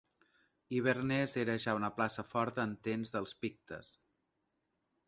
Inverness era ja una plaça forta en temps dels pictes.